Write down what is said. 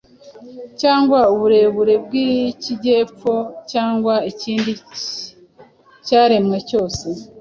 cyangwa uburebure bw’ikijyepfo, cyangwa ikindi cyaremwe cyose,